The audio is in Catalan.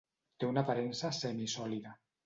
Té una aparença semisòlida.